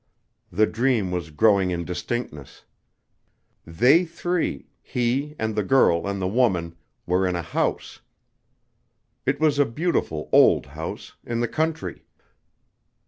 The dream was growing in distinctness. They three he and the girl and the woman were in a house. It was a beautiful old house, in the country.